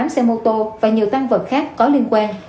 một trăm ba mươi tám xe mô tô và nhiều tăng vật khác có liên quan